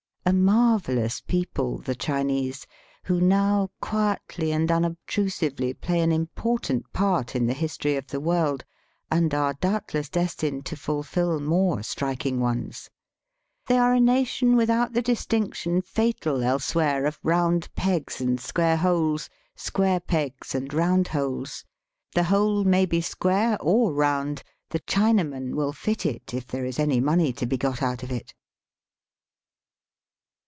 A marvellous people, the Chinese, who now quietly and unobtrusively play an important part in the history of the world, and are doubt less destined to fulfil more striking ones. They axe a nation without the distinction fatal else Digitized by VjOOQIC IN THE TROPICS. 127 where, of round pegs and square holes, square pegs and round holes. The hole may be square or round ; the Chinaman will fit it if there is any money to be got out of it.